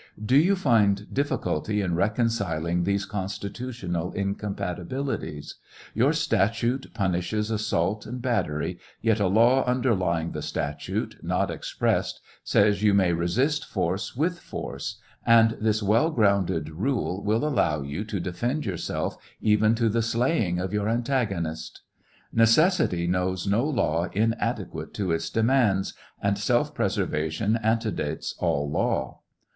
Do you find difficulty in reconciling these constitutional incompatibilities ? Your statute punishes assault and battery, yet a law underlying the statute, not expressed, says you may resist force with force ; and this well grounded rule will allow you to defend yourself even to the slaying of your antagonist. Neces sity knows no law inadequate to its demands, and self preservation antedates all law.